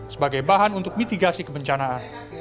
sebagai bahan untuk mitigasi kebencanaan